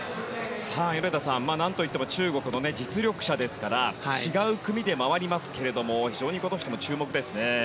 米田さん、何といっても中国の実力者ですから違う組で回りますけれども非常にこの人も注目ですね。